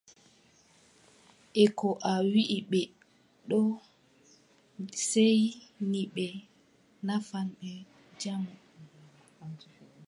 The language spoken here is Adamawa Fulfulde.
E ko a wii ɓe ɗo seeyni ɓe nafan ɓe jamu.